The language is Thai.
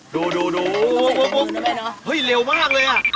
ดูดูเฮ้ยเร็วมากเลยอ่ะ